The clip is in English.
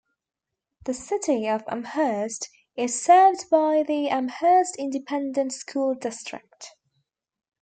The City of Amherst is served by the Amherst Independent School District.